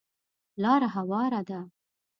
لاره هواره ده .